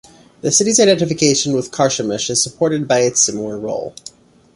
The city's identification with Carchemish is supported by its similar role.